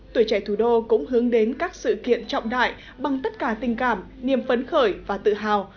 tuổi trẻ thủ đô cũng hướng đến các sự kiện trọng đại bằng tất cả tình cảm niềm phấn khởi và tự hào